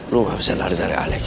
lo gak bisa lari dari alex